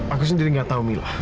aku sendiri gak tahu mila